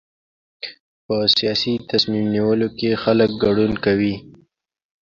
په سیاسي تصمیم نیولو کې خلک ګډون کوي.